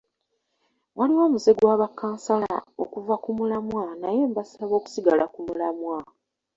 Waliwo omuze gwa bakkansala ogw'okuva ku mulamwa naye mbasaba okusigala ku mulamwa.